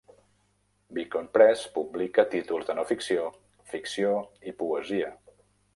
Beacon Press publica títols de no ficció, ficció i poesia.